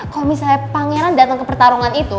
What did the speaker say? kalo misalnya pangeran dateng ke pertarungan itu